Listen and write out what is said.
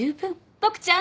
ボクちゃん